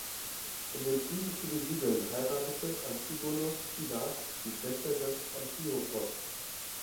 Um den Frieden zu besiegeln, heiratete Antigonos Phila, die Schwester des Antiochos.